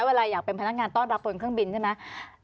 เวลาอยากเป็นพนักงานต้อนรับบนเครื่องบินใช่ไหม